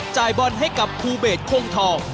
จ่ายบอลให้กับภูเบสโคงทอง